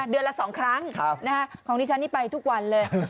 เดือนละ๒ครั้งของดิฉันนี่ไปทุกวันเลย